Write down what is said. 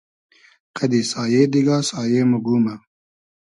قئدی سایې دیگا سایې مۉ گومۂ